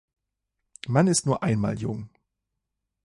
Man ist nur einmal jung...